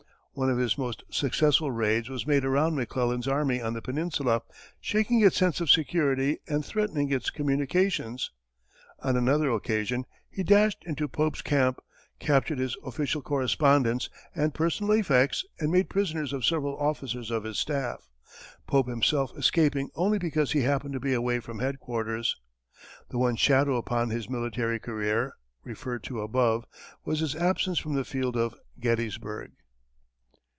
One of his most successful raids was made around McClellan's army on the peninsula, shaking its sense of security and threatening its communications. On another occasion, he dashed into Pope's camp, captured his official correspondence and personal effects and made prisoners of several officers of his staff, Pope himself escaping only because he happened to be away from headquarters. The one shadow upon his military career, referred to above, was his absence from the field of Gettysburg.